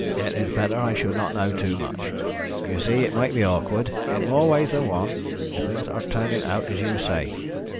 "It is better I should not know too much. You see, it might be awkward, in more ways than one, if things are turning out as you say.